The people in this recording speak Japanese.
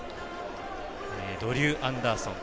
ドリュー・アンダーソン。